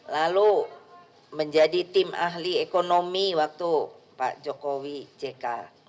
lalu menjadi tim ahli ekonomi waktu pak jokowi jk